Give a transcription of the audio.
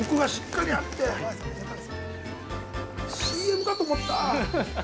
ＣＭかと思った。